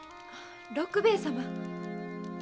六兵衛様。